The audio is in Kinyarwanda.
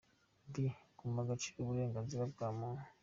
B. Guha agaciro uburenganzira bwa muntu: